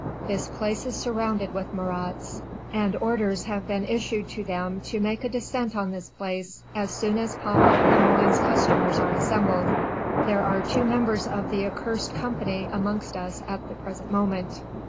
This place is surrounded with Marats, and orders have been issued to them to make a descent on this place, as soon as papa Lemoine's customers are assembled. There are two members of the accursed company amongst us at the present moment...."